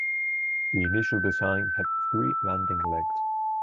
The initial design had three landing legs.